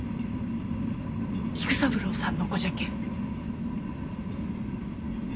菊三郎さんの子じゃけん。